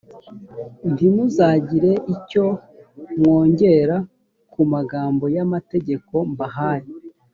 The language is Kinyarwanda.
ntimuzagire icyo mwongera ku magambo y’amategeko mbahaye